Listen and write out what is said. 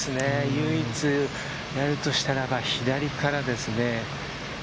唯一、やるとしたら、左側からですね。